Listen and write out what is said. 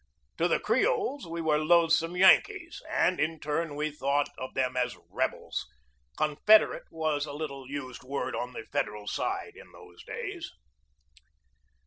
To the Creoles we were loathsome Yankees, and, in turn, we thought of them as "rebels." Confederate was a little used word on the Federal side in those days.